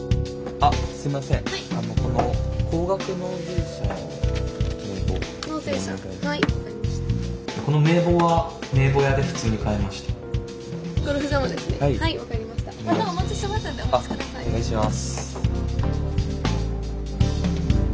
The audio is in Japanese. あっお願いします。